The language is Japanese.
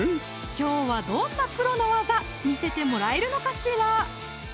きょうはどんなプロの技見せてもらえるのかしら？